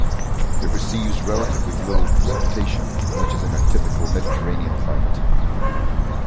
It receives relatively little precipitation, much as in a typical Mediterranean climate.